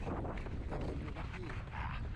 ได้ผลอยู่นะพี่